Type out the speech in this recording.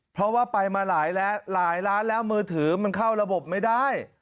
เพราะว่าไปมาหลายแล้วหลายล้านแล้วมือถือมันเข้าระบบไม่ได้